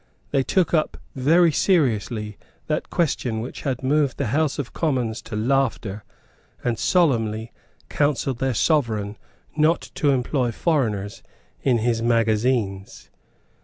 They took up very seriously that question which had moved the House of Commons to laughter, and solemnly counselled their Sovereign not to employ foreigners in his magazines.